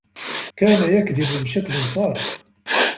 كان يكذب بشكل صارخ.